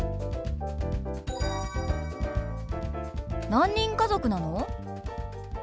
何人家族なの？